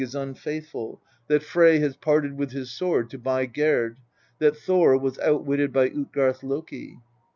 is unfaithful, that Frey has INTRODUCTION. LXIX parted with his sword to buy Gerd, that Thor was outwitted by Utgarth Loki.